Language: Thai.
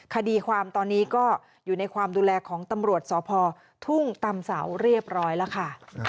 คดีความตอนนี้ก็อยู่ในความดูแลของตำรวจสพทุ่งตำเสาเรียบร้อยแล้วค่ะ